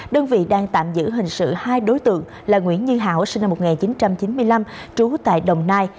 đơn vị đang tạm giữ hình sự hai đối tượng là nguyễn như hảo sinh năm một nghìn chín trăm chín mươi năm trú tại đồng nai